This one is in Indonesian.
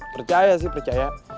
percaya sih percaya